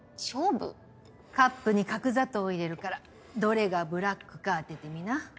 カップに角砂糖を入れるからどれがブラックか当ててみな。